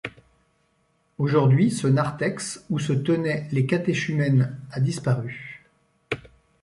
Aujourd'hui, ce narthex où se tenaient les catéchumènes a disparu.